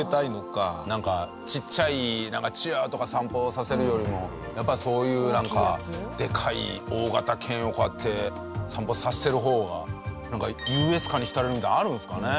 ちっちゃいチワワとか散歩させるよりもやっぱりそういうなんかでかい大型犬をこうやって散歩させてる方が優越感に浸れるみたいなのあるんですかね。